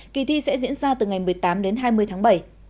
kỳ thi sẽ diễn ra từ ngày một mươi tám đến hai mươi tháng bảy